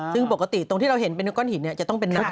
ซึ่งปกติตรงที่เราเห็นเป็นก้อนหินจะต้องเป็นน้ำ